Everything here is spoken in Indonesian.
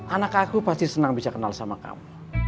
anak aku pasti senang bisa kenal sama kamu